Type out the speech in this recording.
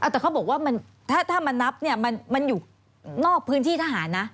แต่เขาบอกว่าถ้ามานับเนี่ยมันอยู่นอกพื้นที่ทหารนะ